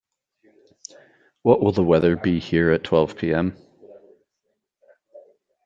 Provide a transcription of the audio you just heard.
What will the weather be here at twelve P.m.?